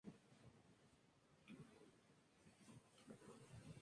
Uno de ellos logró escapar y consiguió salvarse del pelotón de ejecución.